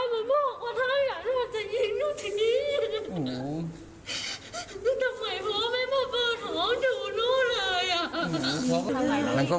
มันดิ้นแล้วมันเอาไม่อยู่ใช่ไหม